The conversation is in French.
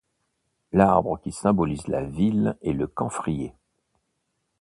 L'arbre qui symbolise la ville est le camphrier.